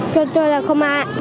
con chơi là không ai